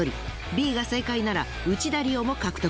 Ｂが正解なら内田理央も獲得。